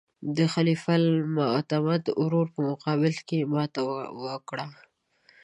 د خلیفه المعتمد ورور په مقابل کې یې ماته وکړه.